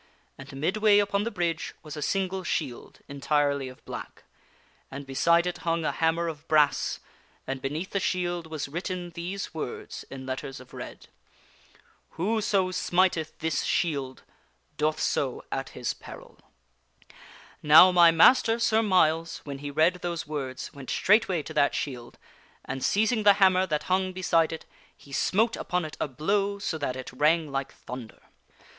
And midway upon the bridge was a single shield, entirely of black; and beside it hung a hammer of brass; and neath the shield was written these words in letters of red: )oet() "Now, my master, Sir Myles, when he read those words went straight 44 THE WINNING OF A SWORD way to that shield and, seizing the hammer that hung beside it, he smote upon it a blow so that it rang like thunder.